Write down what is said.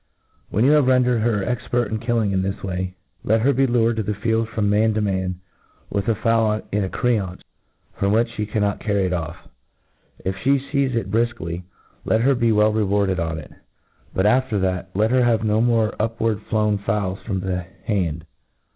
When you have rendered her expert in kill ing this way, let her be lured in the field from man to man, with a fowl in a creance, firom which flie carmot carry it off. If fhe feize it brilkly, let her be well rewarded 01? it ; but, af ter that, let her have no more upward flown fowls from the hand.